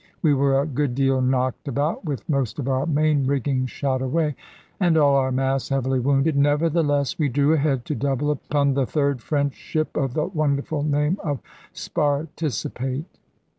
We were a good deal knocked about, with most of our main rigging shot away, and all our masts heavily wounded. Nevertheless we drew ahead, to double upon the third French ship, of the wonderful name of Sparticipate.